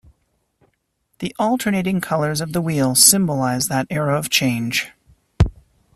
The alternating colors of the wheel symbolize that era of change.